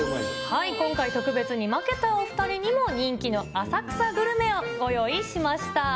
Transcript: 今回、特別に負けたお２人にも、人気の浅草グルメをご用意しました。